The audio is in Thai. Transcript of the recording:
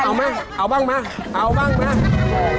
เอามาเอาบ้างอะไร